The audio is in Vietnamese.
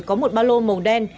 có một ba lô màu đen